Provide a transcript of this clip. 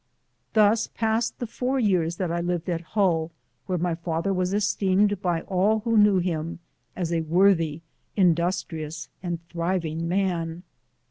Thus passed the four years that I lived at Hull, where my father was esteemed by all who knew him, as a worthy, industrious, and thriving roan.